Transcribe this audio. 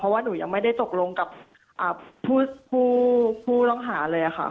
เพราะว่าหนูยังไม่ได้ตกลงกับอ่าผู้ผู้ผู้รองหาเลยอะค่ะ